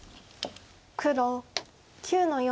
黒９の四。